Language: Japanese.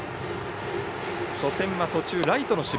初戦は途中ライトの守備